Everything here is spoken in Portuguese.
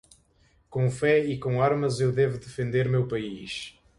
Com fé e com armas eu devo defender meu país